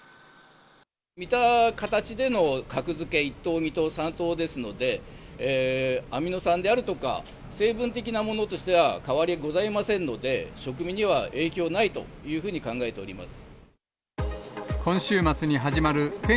見た形での格付け、１等、２等、３等ですので、アミノ酸であるとか、成分的なものとしては変わりございませんので、食味には影響ないというふうに考えております。